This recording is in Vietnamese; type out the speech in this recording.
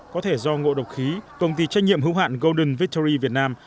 có thể do ngộ độc khí công ty trách nhiệm hữu hạn golden victory việt nam